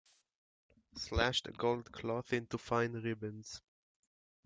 Slash the gold cloth into fine ribbons.